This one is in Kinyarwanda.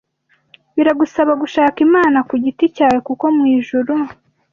biragusaba gushaka Imana ku giti cyawe kuko mu ijuru